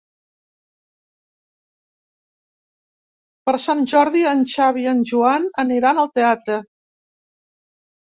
Per Sant Jordi en Xavi i en Joan aniran al teatre.